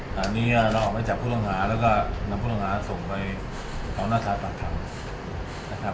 แต่เราออกไว้จากผู้ต้องหาและนำผู้ต้องหาส่งไปตัวนากาศประทัศน์